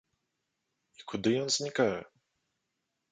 І куды ён знікае?